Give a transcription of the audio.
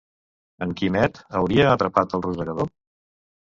En Quimet hauria atrapat el rosegador?